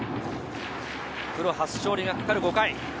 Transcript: プロ初勝利がかかる５回。